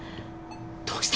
どうした？